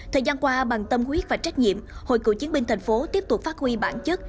thời gian qua bằng tâm quyết và trách nhiệm hội cựu chiến binh tp hcm tiếp tục phát huy bản chất